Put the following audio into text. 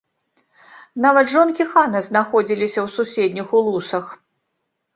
Нават жонкі хана знаходзіліся ў суседніх улусах.